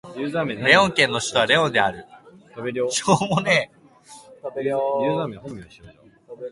レオン県の県都はレオンである